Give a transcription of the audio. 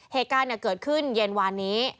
เหตุการณ์เกิดขึ้นเย็นวานนี้